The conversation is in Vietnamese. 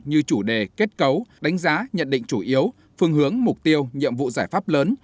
như chủ đề kết cấu đánh giá nhận định chủ yếu phương hướng mục tiêu nhiệm vụ giải pháp lớn